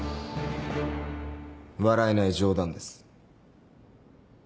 笑えない冗談です。